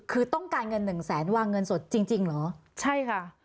คือต้องการเงินหนึ่งแสนวางเงินสดจริงจริงเหรอใช่ค่ะ